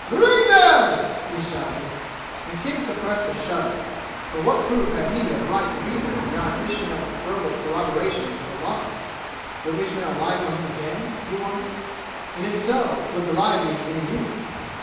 "Bring them!" he shouted, and King suppressed a shudder for what proof had he of right to be there beyond Ismail's verbal corroboration of a lie? Would Ismail lie for him again? he wondered. And if so, would the lie be any use?